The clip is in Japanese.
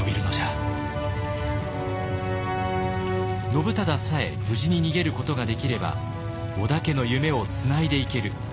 信忠さえ無事に逃げることができれば織田家の夢をつないでいける。